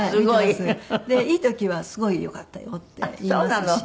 いい時は「すごい良かったよ」って言いますし。